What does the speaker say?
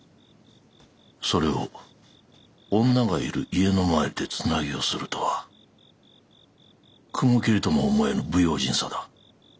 それを女がいる家の前でつなぎをするとは雲霧とも思えぬ不用心さだ。